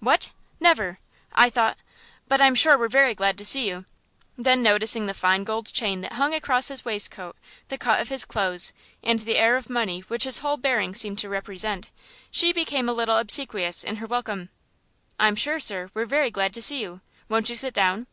"What, never! I thought but I'm sure we're very glad to see you." Then noticing the fine gold chain that hung across his waistcoat, the cut of his clothes, and the air of money which his whole bearing seemed to represent, she became a little obsequious in her welcome. "I'm sure, sir, we're very glad to see you. Won't you sit down?"